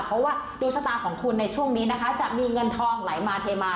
เพราะว่าดวงชะตาของคุณในช่วงนี้นะคะจะมีเงินทองไหลมาเทมา